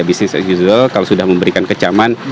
bisnis as usual kalau sudah memberikan kecaman